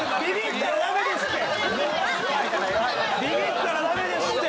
ビビったら駄目ですって！